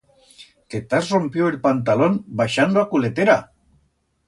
Qué t'has rompiu el pantalón baixando a culetera?